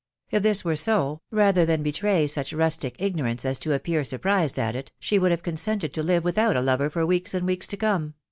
If this were so, rather than betray such rustic ignorance as to appear sur prised at it, she would have consented to live without a lover for weeks and weeks to come